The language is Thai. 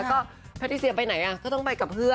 ก็ถ้าที่เสียไปไหนก็ต้องไปกับเพื่อน